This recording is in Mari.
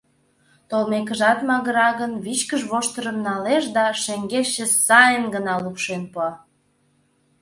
Толмекыжат магыра гын, вичкыж воштырым налеш да шеҥгечше сайын гына лупшен пуа.